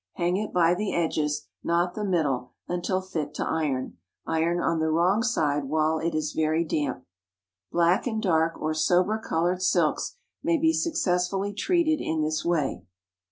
Hang it by the edges, not the middle, until fit to iron. Iron on the wrong side while it is very damp. Black and dark or sober colored silks may be successfully treated in this way.